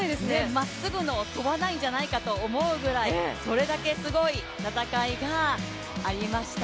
まっすぐ飛ばないんじゃないかと思うぐらいそれだけすごい戦いがありました。